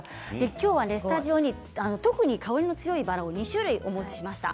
今日はスタジオに特に香りの強いバラを２種類お持ちしました。